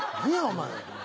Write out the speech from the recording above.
何やお前。